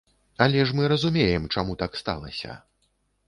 Але ж мы разумеем, чаму так сталася.